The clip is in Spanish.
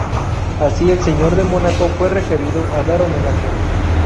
Así el Señor de Mónaco fue requerido a dar homenaje.